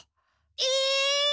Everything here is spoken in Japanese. え？